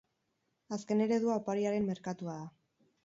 Azken eredua opariaren merkatua da.